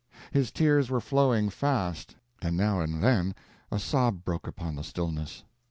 His tears were flowing fast, and now and then a sob broke upon the stillness.